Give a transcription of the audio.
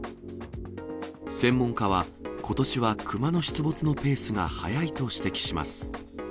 専門家は、ことしはクマの出没のペースが早いと指摘します。